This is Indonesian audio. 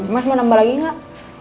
mas mau nambah lagi nggak